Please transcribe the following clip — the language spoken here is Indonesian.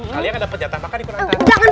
kalian akan dapat jatah makan di kundang kundang